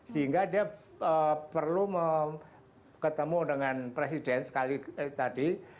sehingga dia perlu ketemu dengan presiden sekali tadi